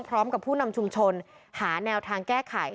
พร้อมกับผู้นำชุมชนหาแนวทางแก้ไข